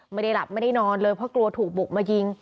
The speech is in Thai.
ไม่ได้หลับไม่ได้นอนเลยเพราะกลัวถูกบุกมายิง